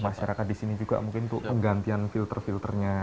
masyarakat di sini juga mungkin untuk penggantian filter filternya